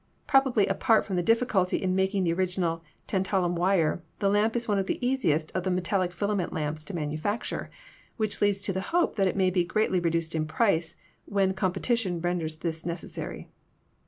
Probably, apart from the difficulty in making the original tantalum wire, the lamp is one of the easiest of the metal lic filament lamps to manufacture, which leads to the hope that it may be greatly reduced in price when competition renders this necessary.